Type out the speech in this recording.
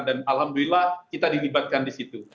dan alhamdulillah kita dilibatkan di situ